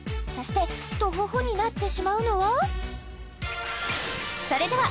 そしてトホホになってしまうのは？